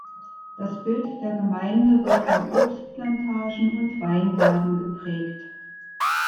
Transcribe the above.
Das Bild der Gemeinde wird von Obstplantagen und Weinbergen geprägt.